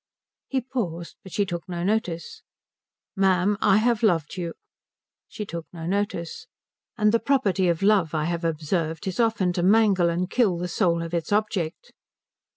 He paused, but she took no notice. "Ma'am, I have loved you." She took no notice. "And the property of love, I have observed, is often to mangle and kill the soul of its object."